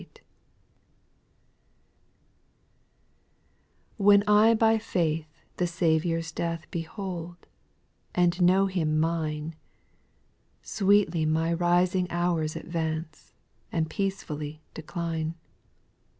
TirHEN I by faith the Saviour's death f I Behold, and know Him mine, Sweetly my rising hours advance, And peacefully decline.